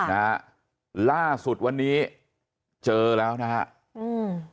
นะฮะล่าสุดวันนี้เจอแล้วนะฮะอืม